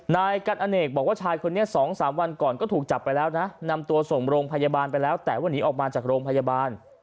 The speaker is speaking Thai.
นายกันอเนกบอกว่าชายคนนี้๒๓วันก่อนก็ถูกจับไปแล้วนะนำตัวส่งโรงพยาบาลไปแล้วแต่ว่าหนีออกมาจากโรงพยาบาล